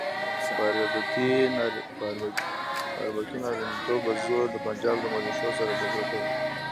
په اربکي نارینتوب په زور د پنجاب له ملیشو سره جګړه کوي.